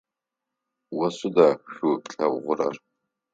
О сыда шӏу плъэгъурэр?